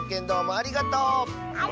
ありがとう！